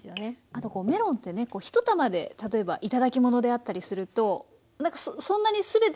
あとこうメロンってね一玉で例えば頂き物であったりするとなんかそんなに全てをね